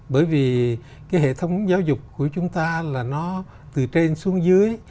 bởi vì cái hệ thống giáo dục của chúng ta là nó từ trên xuống dưới